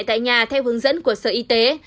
tại nhà theo hướng dẫn của sở y tế